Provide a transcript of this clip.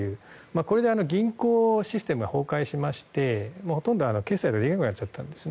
これで銀行システムが崩壊しましてほとんど決済ができなくなったんです。